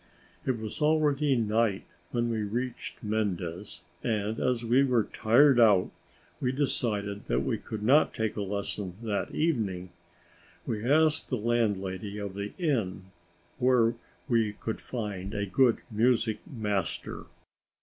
It was already night when we reached Mendes and, as we were tired out, we decided that we could not take a lesson that evening. We asked the landlady of the inn where we could find a good music master.